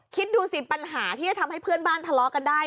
คิดดูสิปัญหาที่จะทำให้เพื่อนบ้านทะเลาะกันได้